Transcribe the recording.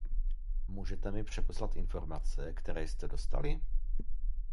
Můžete mi přeposlat informace, které jste dostali?